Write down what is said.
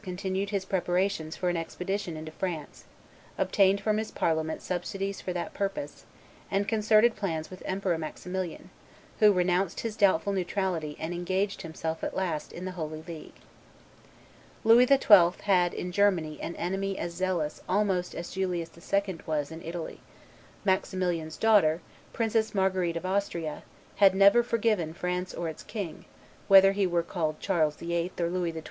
continued his preparations for an expedition into France, obtained from his Parliament subsidies for that purpose, and concerted plans with Emperor Maximilian, who renounced his doubtful neutrality and engaged himself at last in the Holy League. Louis XII. had in Germany an enemy as zealous almost as Julius II. was in Italy: Maximilian's daughter, Princess Marguerite of Austria, had never forgiven France or its king, whether he were called Charles VIII. or Louis XII.